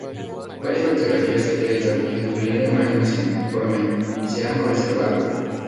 Varias fotografías de Clayton, incluyendo imágenes en uniforme, se han conservado.